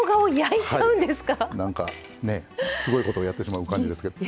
なんかねすごいことをやってしまう感じですけど。